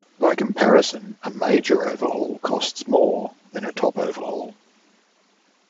By comparison, a major overhaul costs more than a top overhaul.